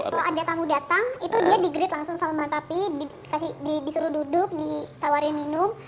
kalau ada tamu datang itu dia di greet langsung sama mami dan papi disuruh duduk ditawarin minum